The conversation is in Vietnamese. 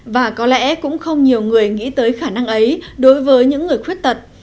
và có lẽ cũng không nhiều người nghĩ tới khả năng ấy đối với những người khuyết tật